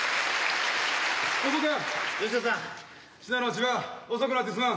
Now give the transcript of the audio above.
千葉遅くなってすまん。